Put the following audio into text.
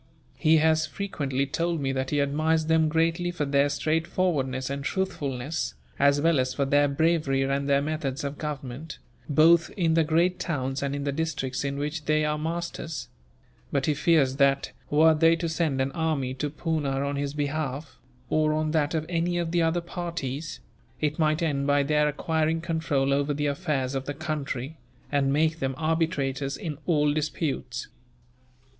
He has frequently told me that he admires them greatly for their straightforwardness and truthfulness, as well as for their bravery and their methods of government, both in the great towns and in the districts in which they are masters; but he fears that, were they to send an army to Poona on his behalf, or on that of any of the other parties, it might end by their acquiring control over the affairs of the country, and make them arbitrators in all disputes."